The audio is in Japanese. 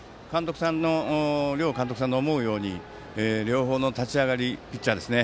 両監督さんの思うように両方の立ち上がりピッチャーですね。